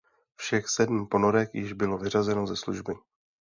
Všech sedm ponorek již bylo vyřazeno ze služby.